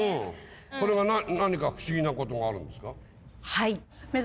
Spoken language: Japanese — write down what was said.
これが何か不思議なことがあるんですか？